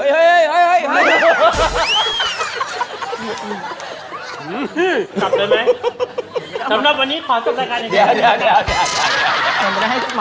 เฮ่ย